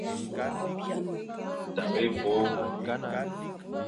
Tabe évÔ.